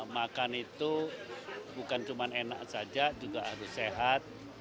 makan itu bukan cuma enak saja juga harus sehat